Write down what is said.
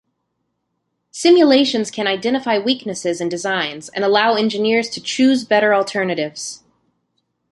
Simulations can identify weaknesses in designs and allow engineers to choose better alternatives.